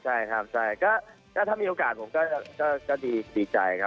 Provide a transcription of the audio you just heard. ใช่ครับใช่ก็ถ้ามีโอกาสผมก็ดีใจครับ